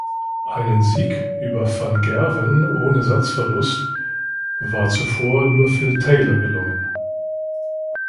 Einen Sieg über van Gerwen ohne Satzverlust war zuvor nur Phil Taylor gelungen.